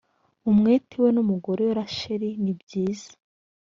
umwete we n umugore we rachel nibyiza